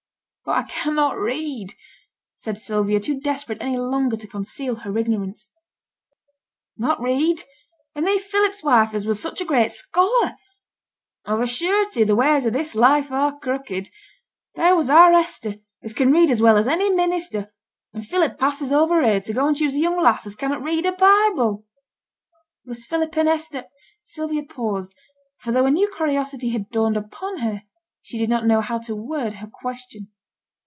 'But I cannot read,' said Sylvia, too desperate any longer to conceal her ignorance. 'Not read! and thee Philip's wife as was such a great scholar! Of a surety the ways o' this life are crooked! There was our Hester, as can read as well as any minister, and Philip passes over her to go and choose a young lass as cannot read her Bible.' 'Was Philip and Hester ' Sylvia paused, for though a new curiosity had dawned upon her, she did not know how to word her question.